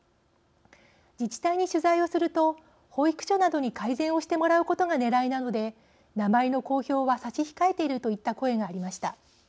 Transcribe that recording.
自治体に取材をすると「保育所などに改善をしてもらうことがねらいなので名前の公表は差し控えている」といった声がありました。